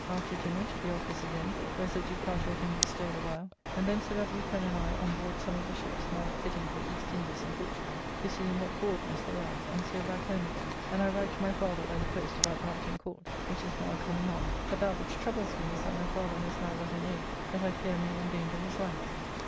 After dinner to the office again, where Sir G. Carteret and we staid awhile, and then Sir W. Pen and I on board some of the ships now fitting for East Indys and Portugall, to see in what forwardness they are, and so back home again, and I write to my father by the post about Brampton Court, which is now coming on. But that which troubles me is that my Father has now got an ague that I fear may endanger his life.